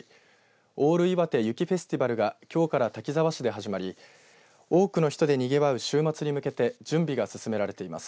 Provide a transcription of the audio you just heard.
ＡＬＬいわて雪フェスティバルがきょうから滝沢市で始まり多くの人でにぎわう週末に向けて準備が進められています。